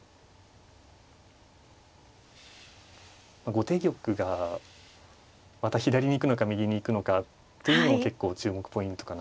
後手玉がまた左に行くのか右に行くのかというのも結構注目ポイントかなと。